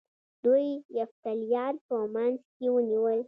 دوی یفتلیان په منځ کې ونیول